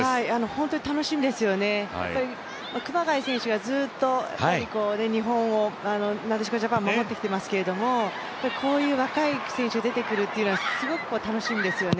本当に楽しみですよね、熊谷選手がずっと日本を、なでしこジャパンを守ってきてますけれどもこういう若い選手が出てくるというのはすごく楽しみですよね。